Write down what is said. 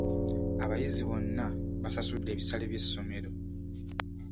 Abayizi bonna basasudde ebisale by'essomero.